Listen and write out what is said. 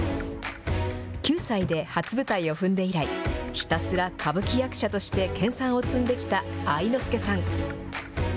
９歳で初舞台を踏んで以来、ひたすら歌舞伎役者として研さんを積んできた愛之助さん。